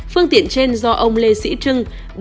phương tiện trên do ông lê sĩ trưng